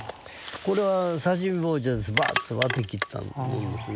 これは刺身包丁でズバッと割って切ったものですね。